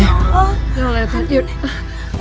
ya allah ya tuhan